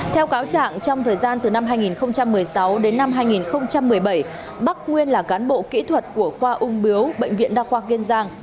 theo cáo trạng trong thời gian từ năm hai nghìn một mươi sáu đến năm hai nghìn một mươi bảy bắc nguyên là cán bộ kỹ thuật của khoa ung biếu bệnh viện đa khoa kiên giang